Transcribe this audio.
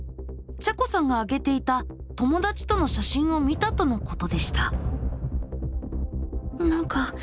ちゃこさんが上げていた友だちとの写真を見たとのことでした。